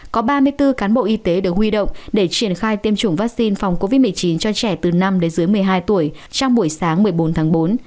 có ba mươi bốn cán bộ y tế được huy động để triển khai tiêm chủng vaccine phòng covid một mươi chín cho trẻ từ năm đến dưới một mươi hai tuổi trong buổi sáng một mươi bốn tháng bốn